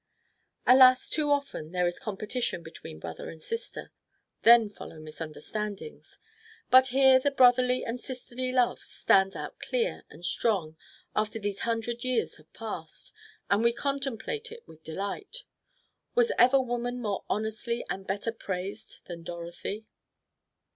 Alas, too often there is competition between brother and sister, then follow misunderstandings; but here the brotherly and sisterly love stands out clear and strong after these hundred years have passed, and we contemplate it with delight. Was ever woman more honestly and better praised than Dorothy?